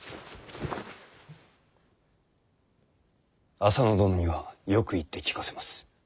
浅野殿にはよく言って聞かせます。